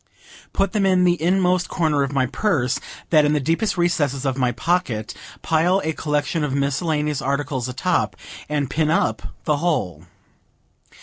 Put them in the inmost corner of my purse, that in the deepest recesses of my pocket, pile a collection of miscellaneous articles atop, and pin up the whole.